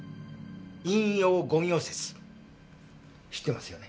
陰陽五行説知ってますよね？